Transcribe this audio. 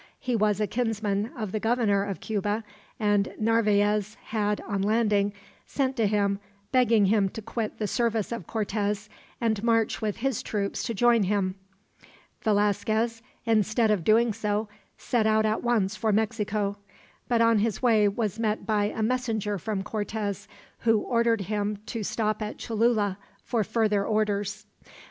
He was a kinsman of the Governor of Cuba, and Narvaez had, on landing, sent to him begging him to quit the service of Cortez, and march with his troops to join him. Velasquez, instead of doing so, set out at once for Mexico; but on his way was met by a messenger from Cortez, who ordered him to stop at Cholula for further orders.